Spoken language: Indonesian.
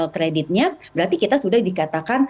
kreditnya berarti kita sudah dikatakan